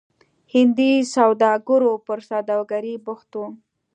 هندي سوداګرو پر سوداګرۍ بوخت وو.